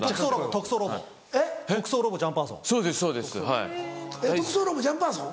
『特捜ロボジャンパーソン』？